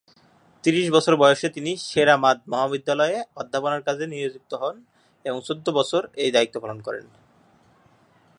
ত্রিশ বছর বয়সে তিনি সে-রা-মাদ মহাবিদ্যালয়ে অধ্যাপনার কাজে নিযুক্ত হন এবং চৌদ্দ বছর এই দায়িত্ব পালন করেন।